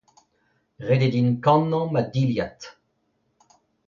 Ret eo din kannañ ma dilhad.